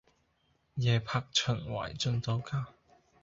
夜泊秦淮近酒家